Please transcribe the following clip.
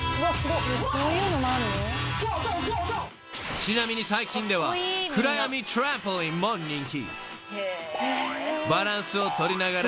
［ちなみに最近では暗闇トランポリンも人気］